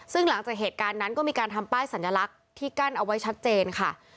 ซึ่งหลังจากเหตุการณ์นั้นก็มีการทำป้ายสัญลักษณ์ที่กั้นเอาไว้ชัดเจนค่ะ